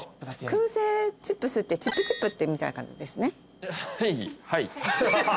燻製チップスってチップチップみたいな感じですね？